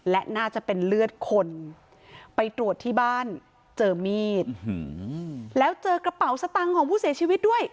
และน่าจะเป็นเลือดคนไปตรวจที่บ้านเจอมีดแล้วเจอกระเป๋าสตังค์ของผู้เสียชีวิตด้วย